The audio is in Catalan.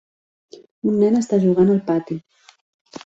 Un nen està jugant al pati.